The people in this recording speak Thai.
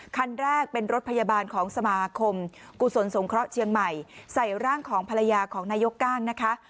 คันแรกเป็นรถพยาบาลของสมาคมกุศลสงเคราะห์เชียงใหม่ใส่ร่างของภรรยาของนายกก้างนะคะ